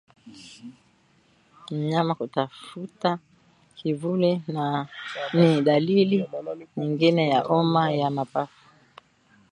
Mnyama kutafuta kivuli ni dalili nyingine ya homa ya mapafu